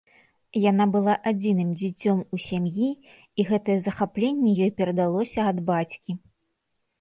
Яна была адзіным дзіцём у сям'і, і гэтае захапленне ёй перадалося ад бацькі.